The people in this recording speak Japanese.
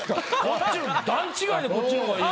段違いでこっちの方がいい。